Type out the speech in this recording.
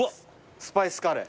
スパイスカレー。